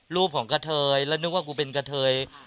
รูปของกะเทยแล้วนึกว่ากูเป็นกะเทย